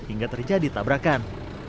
hingga terjadi tabrakan